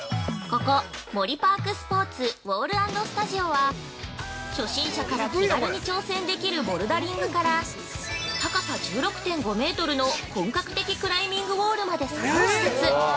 ◆ここ「モリパークスポーツウォール＆スタジオ」は初心者から気軽に挑戦できるボルダリングから高さ１６．５メートルの本格的クライミングウォールまでそろう施設。